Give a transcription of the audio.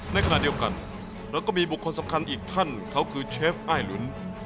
ในขณะเดียวกันเราก็มีบุคคลสำคัญอีกท่านเขาคือเชฟอ้ายลุ้น